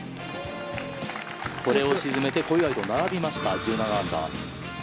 これを沈めて小祝と並びました１７アンダー。